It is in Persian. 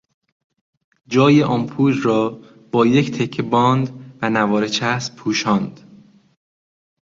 جای آمپول را با یک تکه باند و نوار چسب پوشاند.